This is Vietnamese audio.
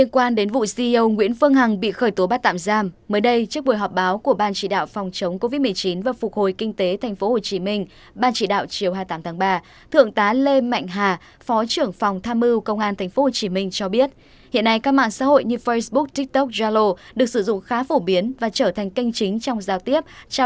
các bạn hãy đăng ký kênh để ủng hộ kênh của chúng mình nhé